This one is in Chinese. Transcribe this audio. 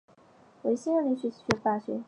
维新二年学习法学。